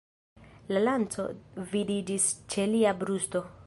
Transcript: La lanco vidiĝis ĉe lia brusto.